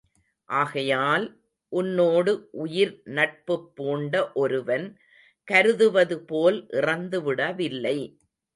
ஆகையால் உன்னோடு உயிர் நட்புப் பூண்ட ஒருவன் கருதுவதுபோல் இறந்துவிடவில்லை.